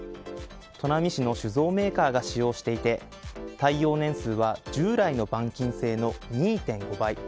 砺波市の酒造メーカーが使用していて、耐用年数は従来の板金製の２．５倍。